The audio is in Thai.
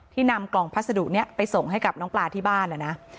นำกล่องพัสดุนี้ไปส่งให้กับน้องปลาที่บ้านนะนะ